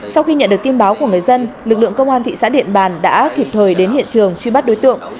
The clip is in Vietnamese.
sau khi nhận được tin báo của người dân lực lượng công an thị xã điện bàn đã kịp thời đến hiện trường truy bắt đối tượng